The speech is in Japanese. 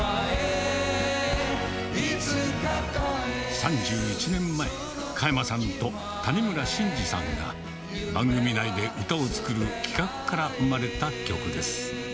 ３１年前、加山さんと谷村新司さんが番組内で歌を作る企画から生まれた曲です。